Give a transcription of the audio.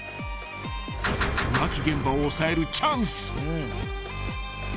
［浮気現場を押さえるチャンス］